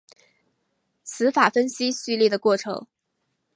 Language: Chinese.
词法分析序列的过程。